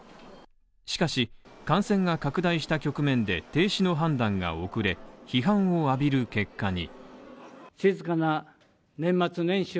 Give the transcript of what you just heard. しかし、感染が拡大した局面で、停止の判断が遅れ、批判を浴びる結果に。